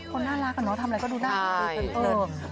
คนน่ารักกันเนอะทำอะไรก็ดูน่ารัก